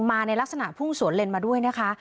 มาในลักษณะพุ่งสวนเลนมาด้วยนะคะ